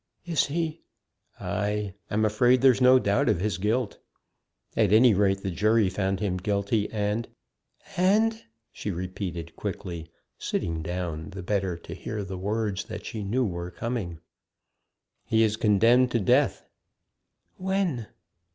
"Is he ?" "Ay, I'm afraid there's no doubt of his guilt. At any rate, the jury found him guilty, and " "And!" she repeated, quickly, sitting down, the better to hear the words that she knew were coming "He is condemned to death." "When?"